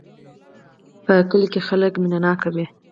په کلي کې خلک مینه ناک وی